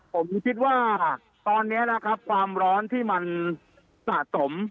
ผมคิดว่าตอนนี้นะครับความร้อนที่มันสะสม